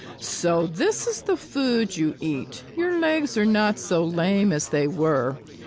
"So this is the food you eat. Your legs are not so lame as they were.